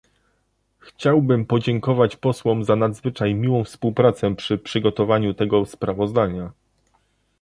Chciałbym podziękować posłom za nadzwyczaj miłą współpracę przy przygotowaniu tego sprawozdania